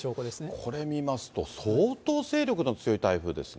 これ見ますと相当勢力の強い台風ですね。